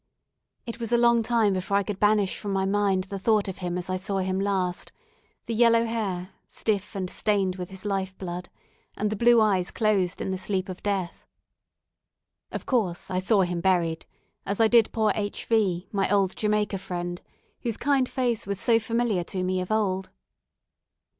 It was a long time before I could banish from my mind the thought of him as I saw him last, the yellow hair, stiff and stained with his life blood, and the blue eyes closed in the sleep of death. Of course, I saw him buried, as I did poor H V , my old Jamaica friend, whose kind face was so familiar to me of old.